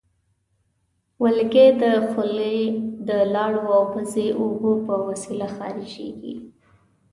والګی د خولې د لاړو او پزې اوبو په وسیله خارجېږي.